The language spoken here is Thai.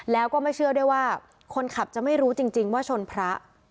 แล้วก็ไม่เชื่อด้วยว่าคนขับจะไม่รู้จริงว่าชนพระ